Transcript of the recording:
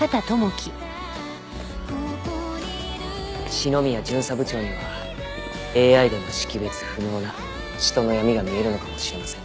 篠宮巡査部長にはＡＩでも識別不能な人の闇が見えるのかもしれませんね。